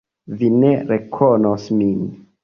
Vi ne rekonos min.